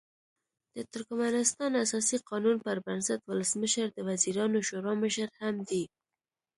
د ترکمنستان اساسي قانون پر بنسټ ولسمشر د وزیرانو شورا مشر هم دی.